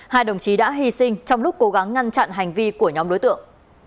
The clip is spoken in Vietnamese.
hai đồng chí đã hy sinh trong lúc cố gắng ngăn chặn hành vi của nhóm đối tượng